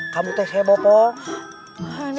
kamu sudah berbobong